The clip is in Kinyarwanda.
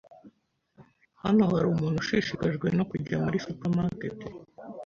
Hano hari umuntu ushishikajwe no kujya muri supermarket?